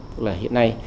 tức là hiện nay